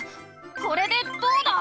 これでどうだ！